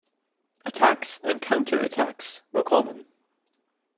Attacks and counter-attacks were common.